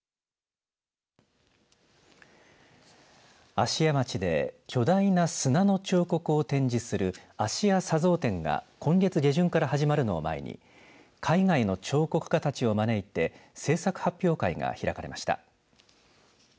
芦屋町で巨大な砂の彫刻を展示するあしや砂像展が今月下旬から始まるのを前に海外の彫刻家たちを招いて制作発表会が開かれました。